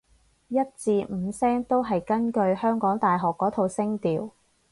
一至五聲都係根據香港大學嗰套聲調